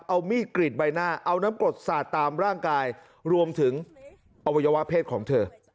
เอามีดกรีดใบหน้าเอาน้ำกรดสาดตามร่างกายรวมถึงอวัยวะเพศของเธอ